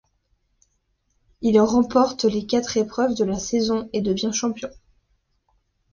Il remporte les quatre épreuves de la saison et devient champion.